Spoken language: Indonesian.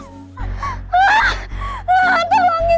kita harus berani